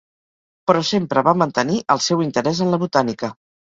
Però sempre va mantenir el seu interès en la botànica.